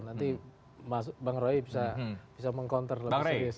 nanti bang roy bisa meng counter lebih serius